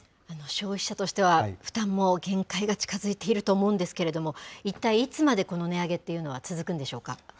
消費者としては、負担も限界が近づいていると思うんですけれども、一体いつまでこの値上げっていうのは続くんでしょうか。